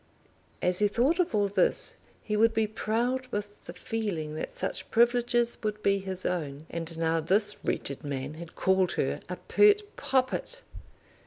As he thought of all this he would be proud with the feeling that such privileges would be his own. And now this wretched man had called her a pert poppet!